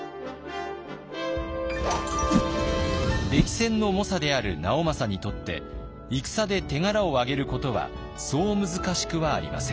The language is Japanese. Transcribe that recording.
歴戦の猛者である直政にとって戦で手柄をあげることはそう難しくはありません。